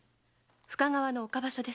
深川の岡場所です。